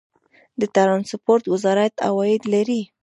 د ټرانسپورټ وزارت عواید لري؟